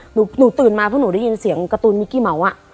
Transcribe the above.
หนูตื่นมาเพราะหนูได้ยินเสียงการ์ตูนมิกกี้เหมาอ่ะ